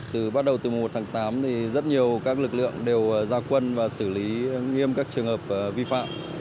từ bắt đầu từ mùa một tháng tám thì rất nhiều các lực lượng đều ra quân và xử lý nghiêm các trường hợp vi phạm